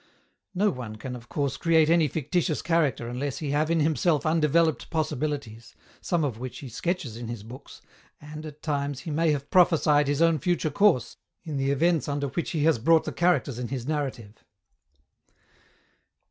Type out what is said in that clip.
No one can of course create any fictitious character unless he have in himself undeveloped possibilities, some of which he sketches in his books, and, at times, he may have prophesied his own future course in the events under which he has brought the characters in his narrative.